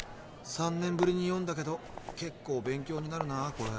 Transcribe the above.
３年ぶりに読んだけどけっこう勉強になるなこれ。